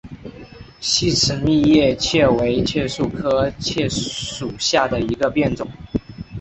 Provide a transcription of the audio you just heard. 细齿密叶槭为槭树科槭属下的一个变种。